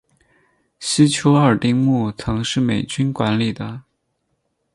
西丘二丁目曾是美军管理的。